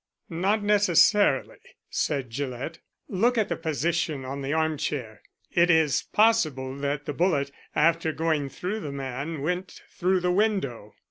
"Not necessarily," said Gillett. "Look at the position on the arm chair. It is possible that the bullet, after going through the man, went through the window.